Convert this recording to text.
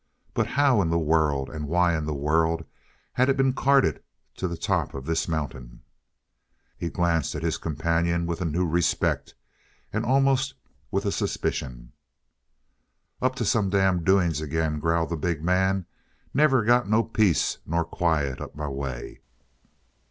But how in the world, and why in the world, had it been carted to the top of this mountain? He glanced at his companion with a new respect and almost with a suspicion. "Up to some damn doings again," growled the big man. "Never got no peace nor quiet up my way."